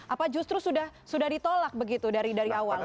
apa justru sudah ditolak begitu dari awal